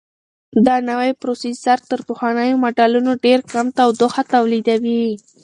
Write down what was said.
دا نوی پروسیسر تر پخوانیو ماډلونو ډېر کم تودوخه تولیدوي.